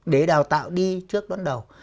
để đào tạo đi trước đón đầu